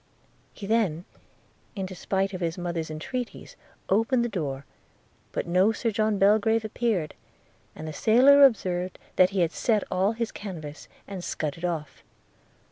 He then, in despite of his mother's entreaties, opened the door; but no Sir John Belgrave appeared, and the sailor observed that he had set all his canvas, and scudded off.